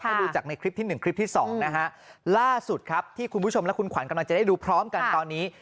ถ้าดูจากในคลิปที่๑คลิปที่สองนะฮะล่าสุดครับที่คุณผู้ชมและคุณขวัญกำลังจะได้ดูพร้อมกันตอนนี้